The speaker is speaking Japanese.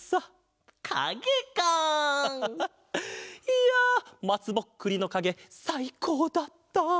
いやまつぼっくりのかげさいこうだった。